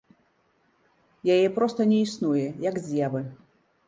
Яе проста не існуе, як з'явы.